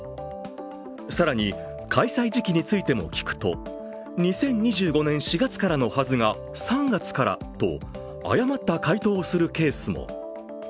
更に開催時期についても聞くと２０２５年４月からのはずが３月からと誤った回答をするケースも。